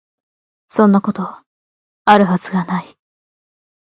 そんなこと、有る筈が無い